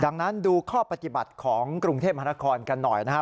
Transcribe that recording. ดังนั้นดูข้อปฏิบัติของกรุงเทพมหานครกันหน่อยนะครับ